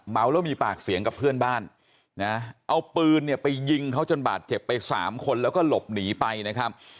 เมาแล้วมีปากเสียงกับเพื่อนบ้านนะเอาปืนเนี่ยไปยิงเขาจนบาดเจ็บไปสามคนแล้วก็หลบหนีไปนะครับ